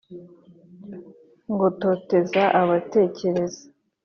ngatoteza abatekereza